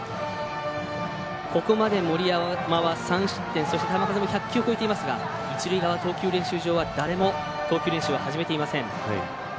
ここまで森山は３失点そして球数も１００球を超えていますが一塁側の投球練習場は誰も投球練習を始めていません。